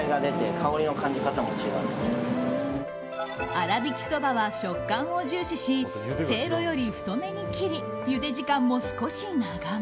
粗挽きそばは食感を重視しせいろより太めに切りゆで時間も少し長め。